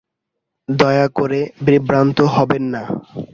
দয়া করে বিভ্রান্ত হবেন না।